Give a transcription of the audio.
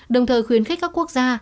đồng thời khuyến khích các quốc gia